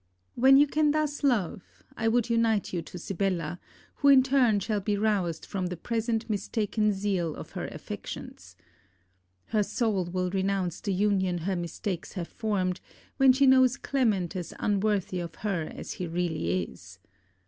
When you can thus love, I would unite you to Sibella, who in turn shall be roused from the present mistaken zeal of her affections. Her soul will renounce the union her mistakes have formed, when she knows Clement as unworthy of her as he really is.